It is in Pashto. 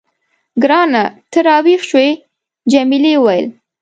ګرانه، ته راویښ شوې؟ جميلې وويل:.